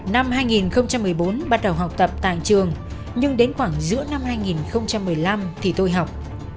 năm hai nghìn một mươi bốn bắt đầu học tập tại trường nhưng đến khoảng giữa năm hai nghìn một mươi năm thì tôi học